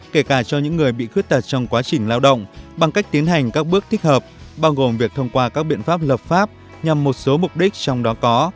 kể cả cho những người bị khuyết tật trong quá trình lao động bằng cách tiến hành các bước thích hợp bao gồm việc thông qua các biện pháp lập pháp nhằm một số mục đích trong đó có